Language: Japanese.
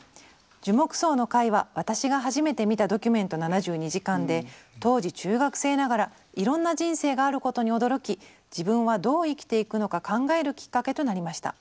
「樹木葬の回は私が初めて見た『ドキュメント７２時間』で当時中学生ながらいろんな人生があることに驚き自分はどう生きていくのか考えるきっかけとなりました」。